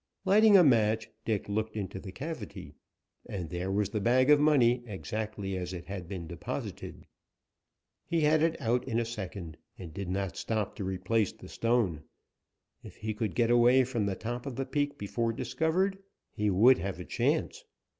Lighting a match, Dick looked into the cavity, and there was the bag of money exactly as it had been deposited. He had it out in a second, and did not stop to replace the stone. If he could get away from the top of the peak before discovered, he would have a chance.